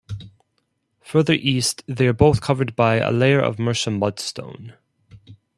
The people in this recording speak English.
Further east, they are both covered by a layer of Mercia Mudstone.